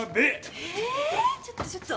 ええちょっとちょっと。